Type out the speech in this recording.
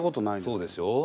そうでしょう。